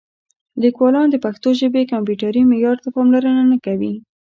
لیکوالان د پښتو ژبې کمپیوټري معیار ته پاملرنه نه کوي.